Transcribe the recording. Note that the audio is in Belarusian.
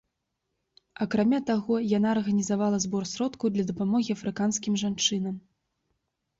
Акрамя таго, яна арганізавала збор сродкаў для дапамогі афрыканскім жанчынам.